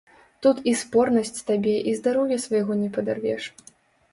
Тут і спорнасць табе і здароўя свайго не падарвеш.